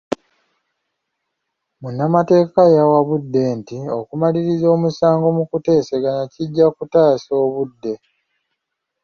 Munnamateeka yawabudde nti okumaliriza omusango mu kuteesaganya kijja kutaasa obudde.